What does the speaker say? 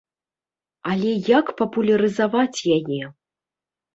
Але як папулярызаваць яе?